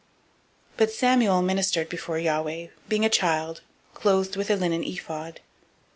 002:018 But Samuel ministered before Yahweh, being a child, girded with a linen ephod.